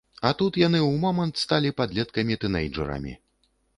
А тут яны ў момант сталі падлеткамі-тынэйджэрамі!